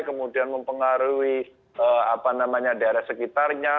kemudian mempengaruhi apa namanya daerah sekitarnya